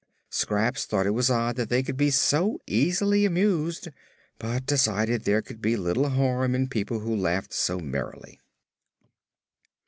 Scraps thought it was odd that they could be so easily amused, but decided there could be little harm in people who laughed so merrily.